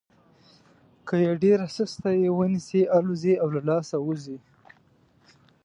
که ډېره سسته یې ونیسئ الوزي او له لاسه وځي.